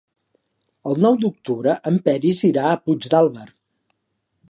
El nou d'octubre en Peris irà a Puigdàlber.